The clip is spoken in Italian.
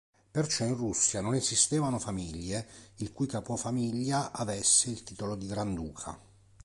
Perciò in Russia non esistevano famiglie il cui capofamiglia avesse il titolo di granduca.